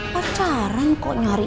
pacaran kok nyari